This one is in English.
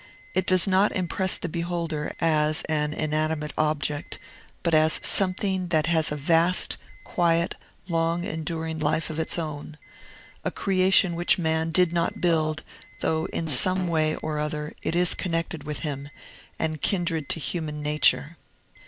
It does not impress the beholder as an inanimate object, but as something that has a vast, quiet, long enduring life of its own, a creation which man did not build, though in some way or other it is connected with him, and kindred to human nature.